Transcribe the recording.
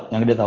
yang gede tau